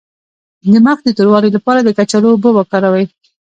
د مخ د توروالي لپاره د کچالو اوبه وکاروئ